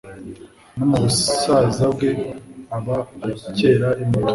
no mu busaza bwe aba akera imbuto